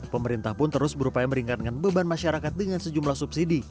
pemerintah pun terus berupaya meringankan beban masyarakat dengan sejumlah subsidi